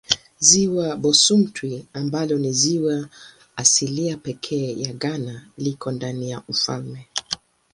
Ziwa Bosumtwi ambalo ni ziwa asilia pekee ya Ghana liko ndani ya ufalme.